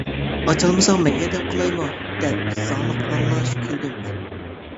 ئاچالمىساڭ مەن ياردەم قىلايمۇ؟ دەپ زاڭلىق ئارىلاش كۈلدۈم، مەن.